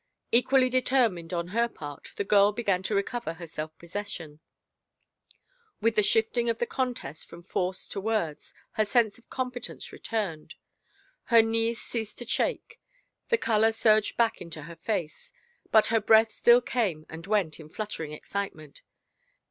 Equally determined on her part, the girl began to re cover her self possession. With the shifting of the con test from force to words her sense of competence re turned. Her knees ceased to shake, the color surged back to her face. But her breath still came and went in fluttering excitement.